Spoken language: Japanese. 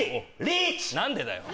８リーチ何でだよ